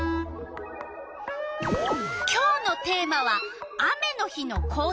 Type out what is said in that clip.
今日のテーマは「雨の日の校庭」。